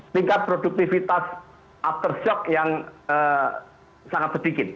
tingkat produktivitas aftershock yang sangat sedikit